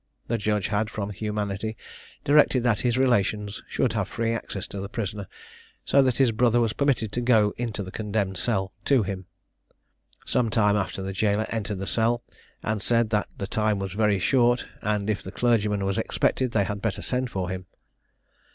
The judge had, from humanity, directed that his relations should have free access to the prisoner, so that his brother was permitted to go into the condemned cell to him. Some time after the jailor entered the cell, and said that the time was very short, and if the clergyman was expected, they had better send for him.